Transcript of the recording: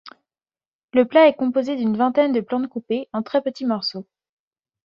Le plat est composé d'une vingtaine de plantes coupés en très petits morceaux.